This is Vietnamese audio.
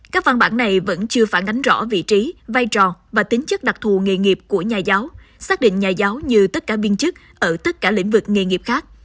các văn bản này vẫn chưa phản ánh rõ vị trí vai trò và tính chất đặc thù nghề nghiệp của nhà giáo xác định nhà giáo như tất cả biên chức ở tất cả lĩnh vực nghề nghiệp khác